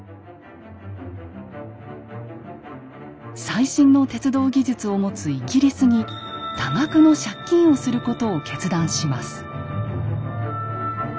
最新の鉄道技術を持つイギリスに多額の借金をすることを決断します。